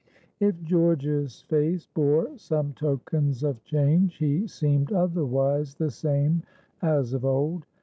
If George's face bore some tokens of change, he seemed otherwise the same as of old.